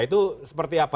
itu seperti apa